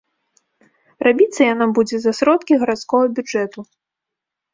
Рабіцца яна будзе за сродкі гарадскога бюджэту.